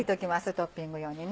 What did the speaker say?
トッピング用に。